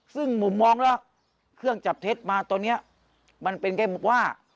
ซึ่งหมุมมองล่ะเครื่องจับเท็จมาตัวเนี้ยมันเป็นแก้มูลว่า